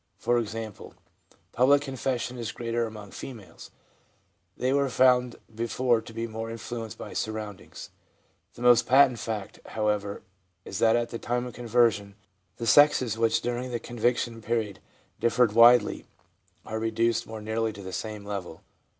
For example, public confession is greater among females ; they were found before to be more influenced by surroundings. The most patent fact, however, is that at the time oj conversion the sexes, which during the convictioit period differed widely \ are reduced more nearly to the same level.